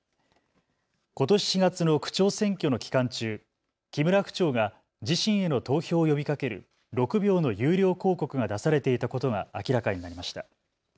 ことし４月の区長選挙の期間中、木村区長が自身への投票を呼びかける６秒の有料広告が出されていたことが明らかになりました。